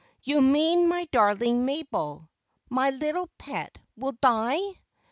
You mean my darling Mabel, My little pet, will die ?